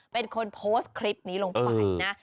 เป็นคนโพสต์คลิปนี้ลงไปนะ